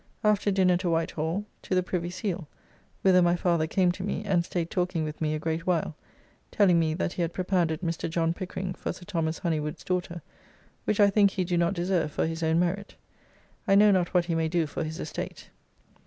After dinner to Whitehall; to the Privy Seal, whither my father came to me, and staid talking with me a great while, telling me that he had propounded Mr. John Pickering for Sir Thomas Honywood's daughter, which I think he do not deserve for his own merit: I know not what he may do for his estate.